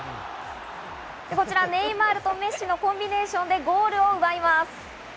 ネイマールとメッシのコンビネーションでゴールを奪います。